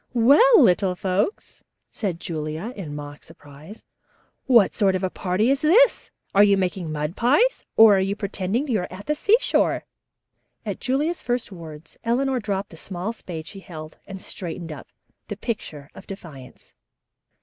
"Well, little folks," said Julia in mock surprise, "what sort of a party is this? Are you making mud pies or are you pretending you are at the seashore?" At Julia's first words Eleanor dropped the small spade she held and straightened up, the picture of defiance.